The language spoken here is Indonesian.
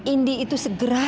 indi itu segera